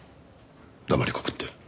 黙りこくって。